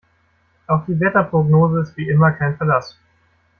Auf die Wetterprognose ist wie immer kein Verlass.